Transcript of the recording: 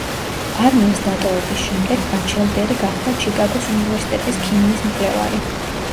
არმიის დატოვების შემდეგ, ბაჩელდერი გახდა ჩიკაგოს უნივერსიტეტის ქიმიის მკვლევარი.